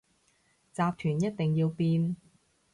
集團一定要變